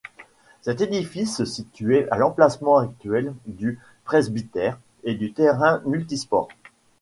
Cet édifice se situait à l’emplacement actuel du presbytère et du terrain multi-sport.